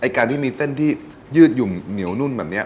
การที่มีเส้นที่ยืดหยุมเหนียวนุ่นแบบนี้